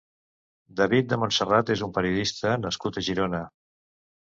David de Montserrat és un periodista nascut a Girona.